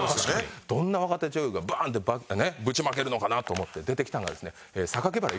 どんな若手女優がバーンとねぶちまけるのかなと思って出てきたのがですね。